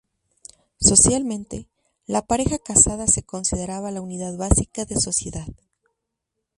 Socialmente, la pareja casada se consideraba la unidad básica de sociedad.